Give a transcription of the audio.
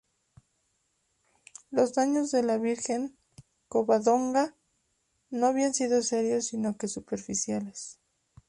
Los daños de la "Virgen de Covadonga" no habían sido serios sino que superficiales.